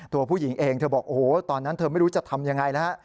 ตัวผู้หญิงเองเธอบอกโอ้โหตอนนั้นเธอไม่รู้จะทำยังไงนะฮะ